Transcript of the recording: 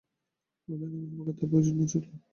বুঝলেন, আমার পক্ষে তাঁর প্রয়োজন ঘুচল।